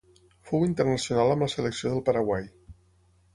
Fou internacional amb la selecció del Paraguai.